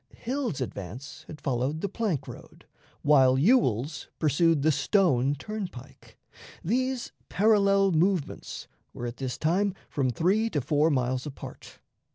Hill's advance had followed the plank road, while Ewell's pursued the Stone turnpike. These parallel movements were at this time from three to four miles apart.